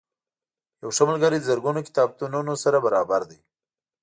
یو ښه ملګری د زرګونو کتابتونونو سره برابر دی.